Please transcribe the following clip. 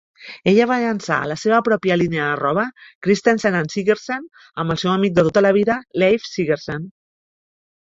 Ella va llençar la seva pròpia línia de roba, "Christensen and Sigersen," amb el seu amic de tota la vida Leif Sigersen.